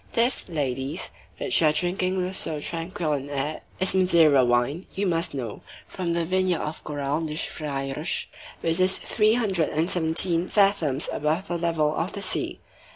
This, ladies, which you are drinking with so tranquil an air is Madeira wine, you must know, from the vineyard of Coural das Freiras, which is three hundred and seventeen fathoms above the level of the sea.